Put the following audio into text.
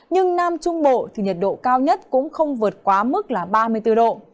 nhưng nam trung bộ thì nhiệt độ cao nhất cũng không vượt quá mức là ba mươi bốn độ